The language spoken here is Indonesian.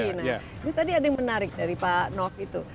ini tadi ada yang menarik dari pak nov itu